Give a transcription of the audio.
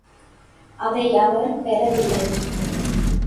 அதை அவர் பெறவில்லை.